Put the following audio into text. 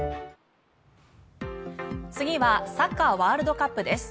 次はサッカーワールドカップです。